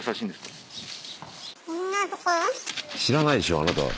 知らないでしょあなたは。